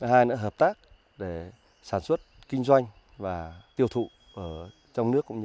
hai nữa là hợp tác để sản xuất kinh doanh và tiêu thụ trong nước